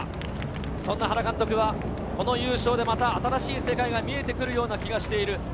原監督はこの優勝でまた新しい世界が見えてくるような気がしている。